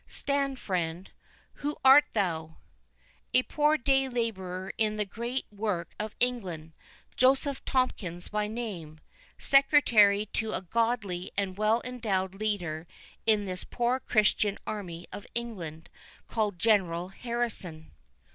—Stand, friend—who art thou?" "A poor day labourer in the great work of England—Joseph Tomkins by name—Secretary to a godly and well endowed leader in this poor Christian army of England, called General Harrison."